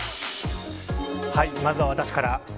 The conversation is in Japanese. はい、まずは私から。